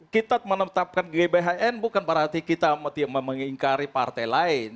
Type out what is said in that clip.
kita menetapkan gbhn bukan berarti kita mengingkari partai lain